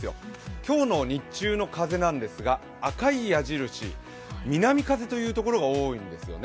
今日の日中の風なんですが、赤い矢印、南風という所が多いんですよね。